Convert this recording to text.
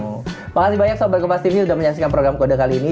makasih banyak sobat kopas tv udah menyaksikan program kode kali ini